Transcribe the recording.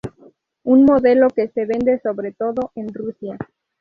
Un modelo que se vende sobre todo en Rusia.